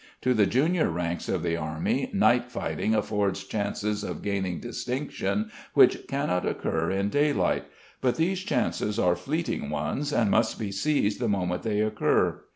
To the junior ranks of the Army night fighting affords chances of gaining distinction which cannot occur in daylight, but these chances are fleeting ones, and must be seized the moment they occur.